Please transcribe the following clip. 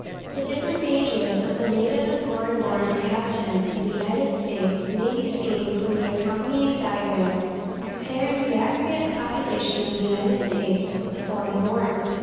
The different ages of the native and foreign born inhabitants of the United States may be seen from the accompanying diagrams(145) comparing the aggregate population of the United States with the foreign born.